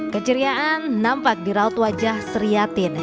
keceriaan nampak di raut wajah seriatin